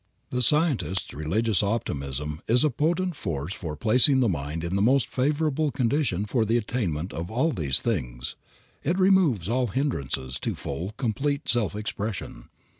The Scientists' religious optimism is a potent force for placing the mind in the most favorable condition for the attainment of all these things. It removes all hindrances to full, complete self expression.